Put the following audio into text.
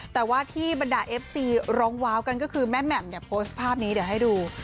แต่ว่าที่บรรดาเอฟซีร้องว้าวกันก็คือแม่แหม่มเนี่ยโพสต์ภาพนี้เดี๋ยวให้ดู